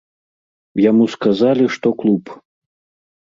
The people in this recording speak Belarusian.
Яму сказалі, што клуб.